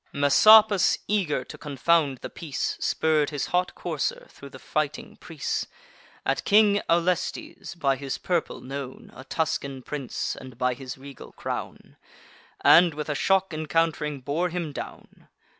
Messapus, eager to confound the peace, Spurr'd his hot courser thro' the fighting press, At King Aulestes, by his purple known A Tuscan prince, and by his regal crown; And, with a shock encount'ring, bore him down.